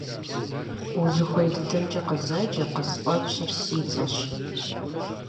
Узыхуей дыдэмкӀэ къызэджэ, къысфӀэпщыр си цӀэщ.